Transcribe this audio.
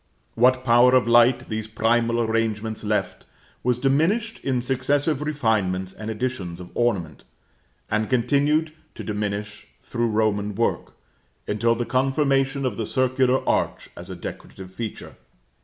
What power of light these primal arrangements left, was diminished in successive refinements and additions of ornament; and continued to diminish through Roman work, until the confirmation of the circular arch as a decorative feature.